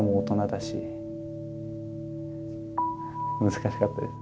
難しかったです。